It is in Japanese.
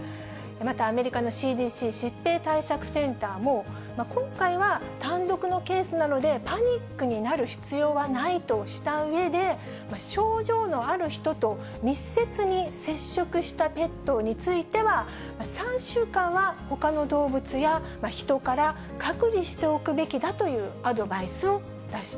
またアメリカのＣＤＣ・疾病対策センターも、今回は単独のケースなので、パニックになる必要はないとしたうえで、症状のある人と密接に接触したペットについては、３週間はほかの動物やヒトから隔離しておくべきだというアドバイ